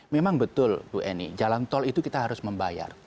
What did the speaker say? memang betul bu eni jalan tol itu kita harus membayar